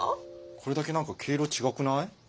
これだけ何か毛色違くない？